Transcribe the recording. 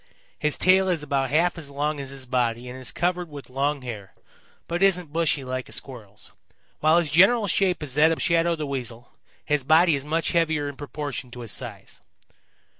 His tail is about half as long as his body and is covered with long hair, but isn't bushy like a Squirrel's. While his general shape is that of Shadow the Weasel, his body is much heavier in proportion to his size.